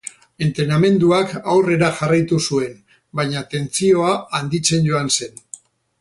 Entrenamenduak aurrera jarraitu zuen, baina tentsioa handitzen joan zen.